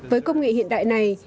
với công nghệ hiện đại này